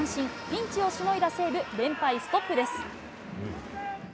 ピンチをしのいだ西武、連敗ストップです。